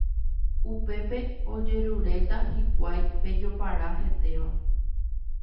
upépe ojeruréta hikuái pe jopara hetéva.